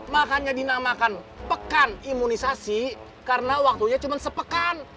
makanya dinamakan pekan imunisasi karena waktunya cuma sepekan